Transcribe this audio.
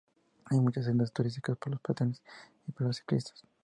Hay muchas sendas turísticas para los peatones y para los ciclistas.